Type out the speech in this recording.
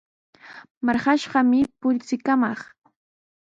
Marqashqami purichikamaq.